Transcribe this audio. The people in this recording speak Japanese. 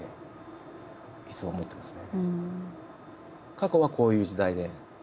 過去はこういう時代で。